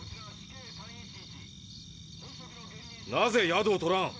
なぜ宿を取らん？